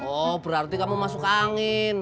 oh berarti kamu masuk angin